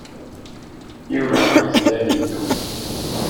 Yuba ur yezmir ad yeddu.